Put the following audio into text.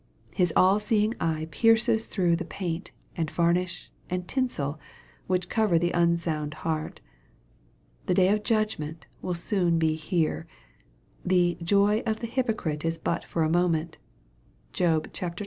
His all seeing eye pierces through the paint, and varnish, and tinsel, which cover the unsound heart. The day of judgment will soon be here. The "joy of the hypocrite is but for a moment/' (Job xx. 5.)